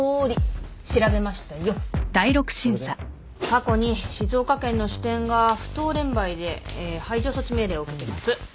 過去に静岡県の支店が不当廉売で排除措置命令を受けてます。